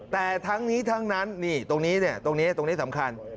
แต่ทั้งนี้ทั้งนั้นนี่ตรงนี้สำคัญ